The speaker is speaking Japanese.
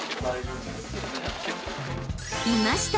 ［いました！